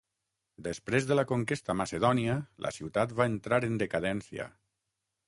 Després de la conquesta macedònia la ciutat va entrar en decadència.